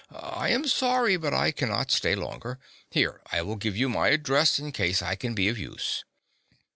I am sorry, but I cannot stay longer. Here, I will give you my address, in case I can be of use."